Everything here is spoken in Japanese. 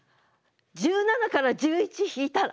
１７から１１引いたら？